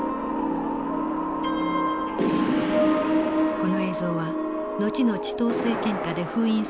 この映像は後のチトー政権下で封印され続け